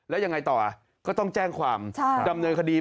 แล้วยังไงต่อก็ต้องแจ้งความดำเนินคดี